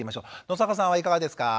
野坂さんはいかがですか？